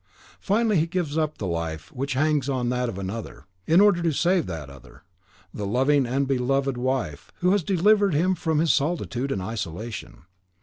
Finally, he gives up the life which hangs on that of another, in order to save that other, the loving and beloved wife, who has delivered him from his solitude and isolation.